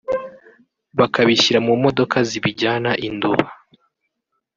bakabishyira mu modoka zibijyana i Nduba